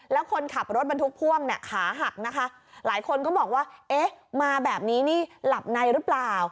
แล้วคนขับรถบรรทุกพ่วงเนี่ยขาหักนะคะหลายคนก็บอกว่าเอ๊ะมาแบบนี้นี่หลับในหรือเปล่า